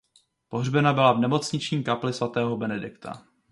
Pohřbena byla v nemocniční kapli svatého Benedikta.